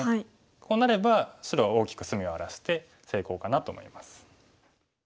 こうなれば白は大きく隅を荒らして成功かなと思います。